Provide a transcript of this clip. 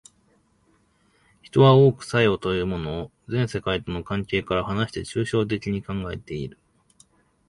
人は多く作用というものを全世界との関係から離して抽象的に考えている。